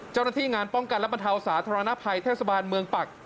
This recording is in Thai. เจ้าหน้าที่งานป้องกันและบรรเทาสาธารณภัยเทศบาลเมืองปัก